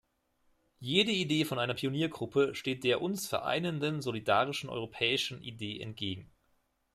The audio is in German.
Jede Idee von einer Pioniergruppe steht der uns vereinenden solidarischen europäischen Idee entgegen.